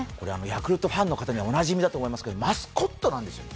ヤクルトファンの方にはおなじみだと思うんですが、マスコットなんですよ。